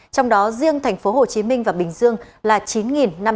trong đó riêng tp hcm và bình dương là chín năm trăm ba mươi ca